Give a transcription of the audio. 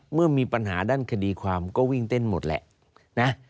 เมื่อมีปัญหาด้านคดีความก็วิ่งเต้นหมดแหละนะ